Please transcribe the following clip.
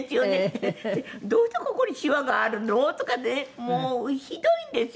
「どうしてここにしわがあるの？」とかってねもうひどいんですよ